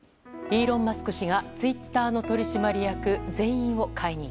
イーロン・マスク氏がツイッターの取締役全員を解任。